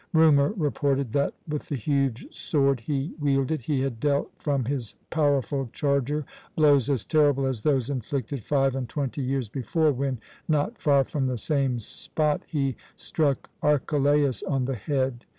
Rumour reported that, with the huge sword he wielded, he had dealt from his powerful charger blows as terrible as those inflicted five and twenty years before when, not far from the same spot, he struck Archelaus on the head.